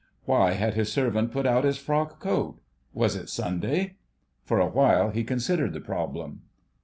Why had his servant put out his frock coat? Was it Sunday? For a while he considered the problem.